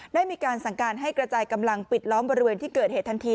ได้มีการสั่งการให้กระจายกำลังปิดล้อมบริเวณที่เกิดเหตุทันที